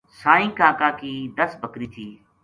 سائیں کاکا کی دس بکری تھی